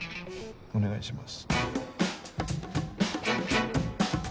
お願いします。